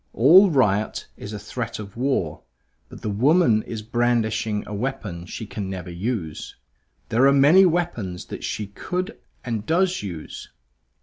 All riot is a threat of war; but the woman is brandishing a weapon she can never use. There are many weapons that she could and does use.